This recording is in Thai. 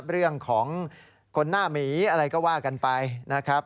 เรื่องของคนหน้าหมีอะไรก็ว่ากันไปนะครับ